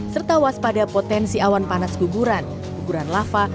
serta waspada potensi awan panas guguran guguran lava